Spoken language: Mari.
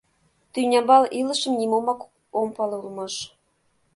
— Тӱнямбал илышым нимомак ом пале улмаш.